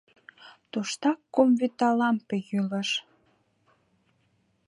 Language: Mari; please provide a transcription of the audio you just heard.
Туштак кум вӱта лампе йӱлыш.